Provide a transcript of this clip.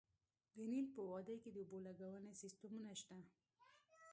د نیل په وادۍ کې د اوبو لګونې سیستمونه شته